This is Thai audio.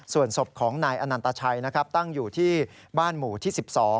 ส่วนศพของนายอนันตชัยนะครับตั้งอยู่ที่บ้านหมู่ที่๑๒